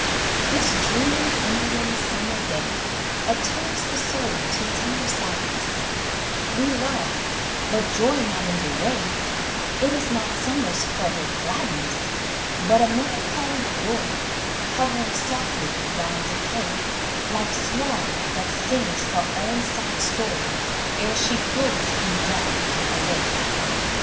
This dreamy Indian summer day, Attunes the soul to tender sadness; We love but joy not in the ray It is not summer's fervid gladness, But a melancholy glory, Hovering softly round decay, Like swan that sings her own sad story, Ere she floats in death away.